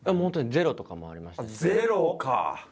ゼロもありました。